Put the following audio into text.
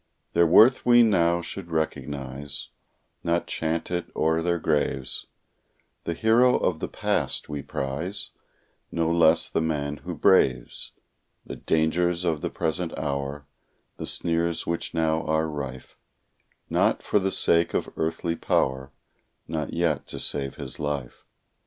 Their worth we now should recognize, Not chant it o'er their graves; The hero of the past we prize, No less the man who braves The dangers of the present hour, The sneers which now are rife, Not for the sake of earthly power, Nor yet to save his life.